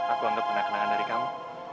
aku anggap kena kenangan dari kamu